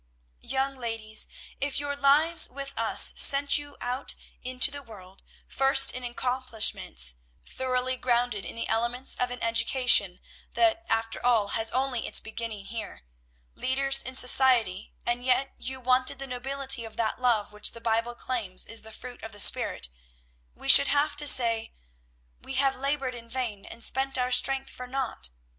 "Young ladies, if your lives with us sent you out into the world, first in accomplishments, thoroughly grounded in the elements of an education, that after all has only its beginning here, leaders in society, and yet you wanted the nobility of that love which the Bible claims is the fruit of the spirit, we should have to say, we have 'labored in vain, and spent our strength for naught.'